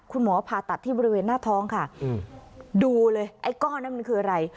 ผ่าตัดที่บริเวณหน้าท้องค่ะดูเลยไอ้ก้อนนั้นมันคืออะไร